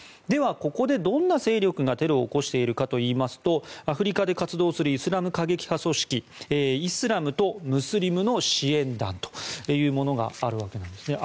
ではここで、どんな勢力がテロを起こしているかといいますとアフリカで活動するイスラム過激派組織イスラムとムスリムの支援団というものがあるわけです。